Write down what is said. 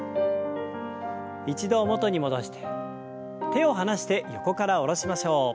一度元に戻して手を離して横から下ろしましょう。